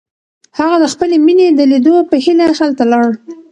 هغه د خپلې مینې د لیدو په هیله هلته لاړ.